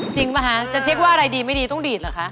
จริงป่ะคะจะเช็คว่าอะไรดีไม่ดีต้องดีดเหรอคะ